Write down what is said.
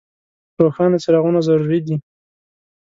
روښانه څراغونه ضروري دي.